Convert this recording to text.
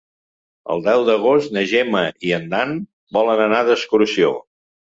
El deu d'agost na Gemma i en Dan volen anar d'excursió.